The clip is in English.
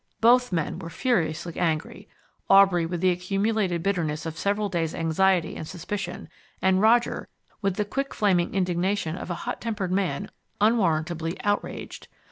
Both men were furiously angry Aubrey with the accumulated bitterness of several days' anxiety and suspicion, and Roger with the quick flaming indignation of a hot tempered man unwarrantably outraged.